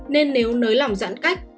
nên nếu nới lỏng giãn cách